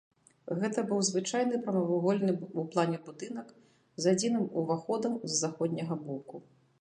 Гэта быў звычайны прамавугольны ў плане будынак з адзіным уваходам з заходняга боку.